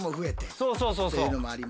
そうそうそうそう。